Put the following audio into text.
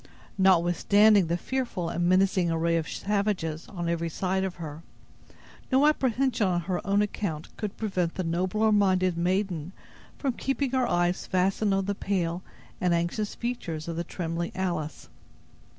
Notwithstanding the fearful and menacing array of savages on every side of her, no apprehension on her own account could prevent the nobler minded maiden from keeping her eyes fastened on the pale and anxious features of the trembling Alice.